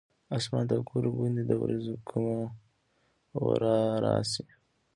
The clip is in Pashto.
اسمان ته ګورو ګوندې د ورېځو کومه ورا راشي.